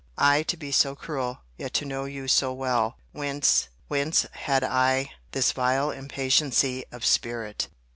I to be so cruel, yet to know you so well!—Whence, whence, had I this vile impatiency of spirit!